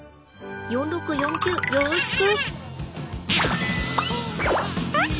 ４６４９よろしく。